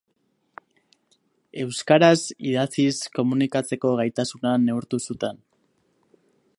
Euskaraz idatziz komunikatzeko gaitasuna neurtu zuten.